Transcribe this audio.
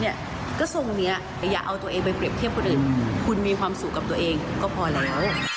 ก็ทรงนี้แต่อย่าเอาตัวเองไปเรียบเทียบคนอื่นคุณมีความสุขกับตัวเองก็พอแล้ว